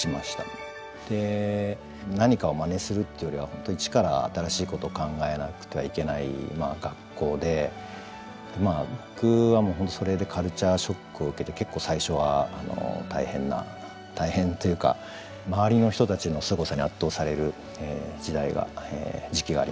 何かをマネするっていうよりは本当一から新しいことを考えなくてはいけない学校で僕は本当それでカルチャーショックを受けて結構最初は大変な大変というか周りの人たちのすごさに圧倒される時代が時期がありましたね。